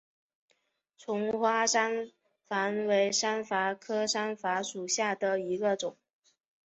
丛花山矾为山矾科山矾属下的一个种。